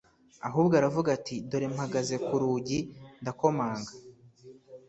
ahubwo aravuga ati: "Dore mpagaze ku rugi ndakomanga,